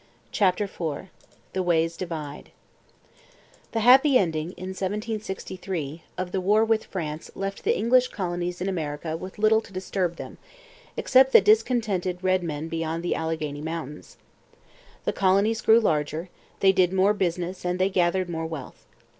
CHAPTER IV THE WAYS DIVIDE The happy ending, in 1763, of the war with France left the English colonies in America with little to disturb them, except the discontented red men beyond the Alleghany Mountains. The colonies grew larger; they did more business and they gathered more wealth.